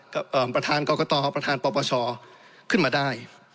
ประธานกรกตประธานปปชขึ้นมาได้